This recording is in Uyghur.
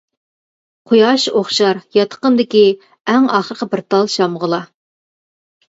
قۇياش ئوخشار ياتىقىمدىكى ئەڭ ئاخىرقى بىر تال شامغىلا.